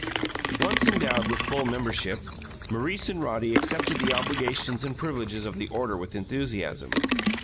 Once endowed with full membership, Maurice and Roddy accepted the obligations and privileges of the order with enthusiasm.